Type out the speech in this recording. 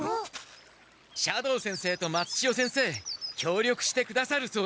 斜堂先生と松千代先生協力してくださるそうです。